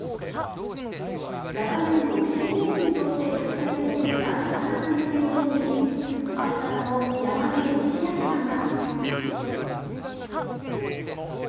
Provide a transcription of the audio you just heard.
長年、独身芸人として活躍してきた田中さんの結婚に相方の山根良顕さんは。